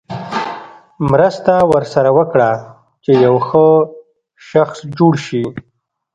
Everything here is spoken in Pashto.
مرسته ورسره وکړه چې یو ښه شخص جوړ شي.